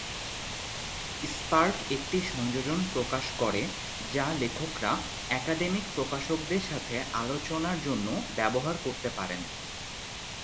Spark একটি সংযোজন প্রকাশ করে যা লেখকরা একাডেমিক প্রকাশকদের সাথে আলোচনার জন্য ব্যবহার করতে পারেন।